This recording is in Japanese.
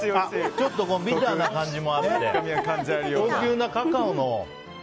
ちょっとビターな感じもあって高級なカカオの。